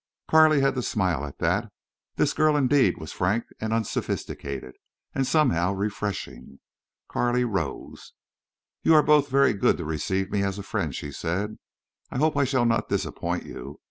Carley had to smile at that. This girl indeed was frank and unsophisticated, and somehow refreshing. Carley rose. "You are both very good to receive me as a friend," she said. "I hope I shall not disappoint you....